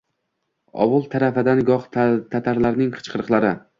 Ovul tarfadan goh tatarlarning qichqiriqlari